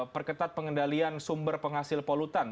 perketat pengendalian sumber penghasil polutan